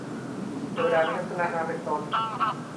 เทวดามีลักษณะนามเป็นตน